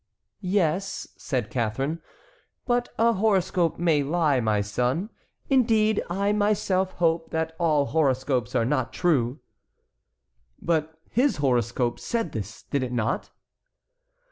"Yes," said Catharine, "but a horoscope may lie, my son. Indeed, I myself hope that all horoscopes are not true." "But his horoscope said this, did it not?"